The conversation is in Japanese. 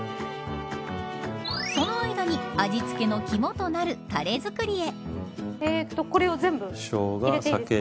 その間に味付けの肝となるたれ作りへ。